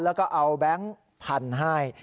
แล้วก็เอาแบงค์พันให้